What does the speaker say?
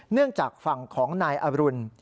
เนื่องจากฝั่งของนายอรุณ